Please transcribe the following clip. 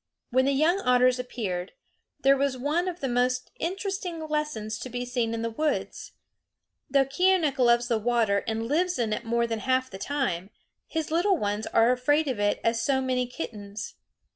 When the young otters appeared, there was one of the most interesting lessons to be seen in the woods. Though Keeonekh loves the water and lives in it more than half the time, his little ones are afraid of it as so many kittens.